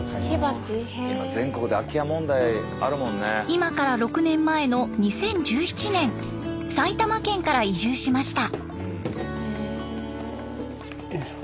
今から６年前の２０１７年埼玉県から移住しました。